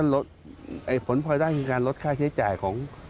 มันก็ลดผลพลายได้คือการลดค่าใช้จ่ายของ